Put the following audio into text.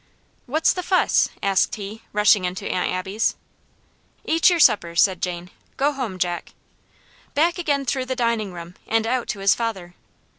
"What's the fuss?" asked he, rushing into Aunt Abby's. "Eat your supper," said Jane; "go home, Jack." Back again through the dining room, and out to his father.